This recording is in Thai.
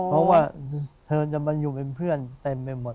เพราะว่าเธอจะมาอยู่เป็นเพื่อนเต็มไปหมด